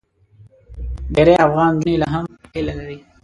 ډېری افغان نجونې لا هم هیله لري.